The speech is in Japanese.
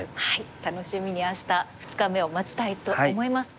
楽しみに明日２日目を待ちたいと思います。